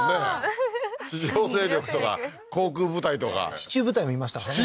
ふふっ地上勢力とか航空部隊とか地中部隊もいましたもんね